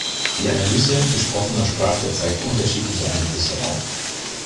Die Analyse gesprochener Sprache zeigt unterschiedliche Einflüsse auf.